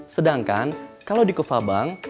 sedangkan kalo di kuva bank